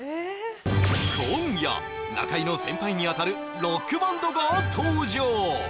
今夜中居の先輩にあたるロックバンドが登場！